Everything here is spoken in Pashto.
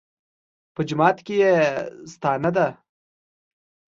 په جماعت کې یې ستانه ده.